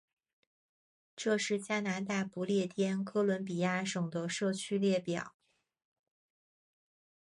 这是加拿大不列颠哥伦比亚省的社区列表。